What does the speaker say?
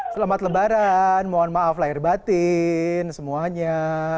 selamat lebaran mohon maaf lahir batin semuanya